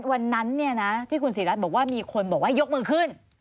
วันนั้นที่คุณศรีรัตน์บอกว่ามีคนบอกว่ายกมือขึ้น